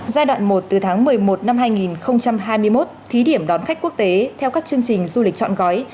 giai đoạn một từ tháng một mươi một năm hai nghìn hai mươi một thí điểm đón khách quốc tế theo các chương trình du lịch chọn gói